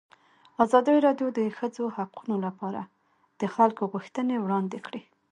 ازادي راډیو د د ښځو حقونه لپاره د خلکو غوښتنې وړاندې کړي.